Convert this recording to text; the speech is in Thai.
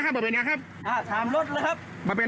ตายเลยตายเลย